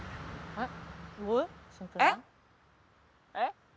「えっ？」